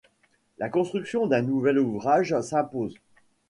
La construction d'un nouvel ouvrage s'impose.